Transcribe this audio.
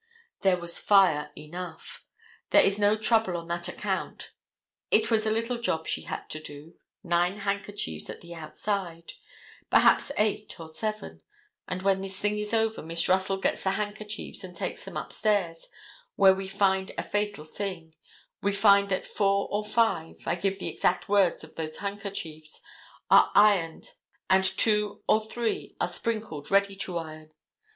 There was fire enough. There is no trouble on that account. It was a little job she had to do, nine handkerchiefs at the outside, perhaps eight or seven, and when this thing is over Miss Russell gets the handkerchiefs and takes them upstairs, where we find a fatal thing, we find that four or five, I give the exact words of those handkerchiefs: "Are ironed and two or three are sprinkled ready to iron."